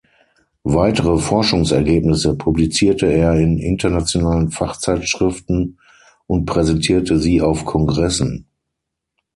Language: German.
Weitere Forschungsergebnisse publizierte er in internationalen Fachzeitschriften und präsentierte sie auf Kongressen.